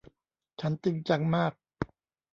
ฉันจริงจังมาก